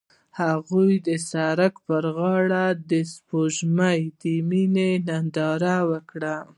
هغوی د سړک پر غاړه د سپوږمیز مینه ننداره وکړه.